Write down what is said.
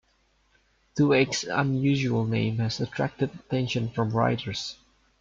Two Egg's unusual name has attracted attention from writers.